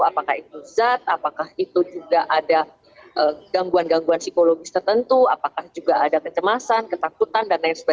apakah itu zat apakah itu juga ada gangguan gangguan psikologis tertentu apakah juga ada kecemasan ketakutan dan lain sebagainya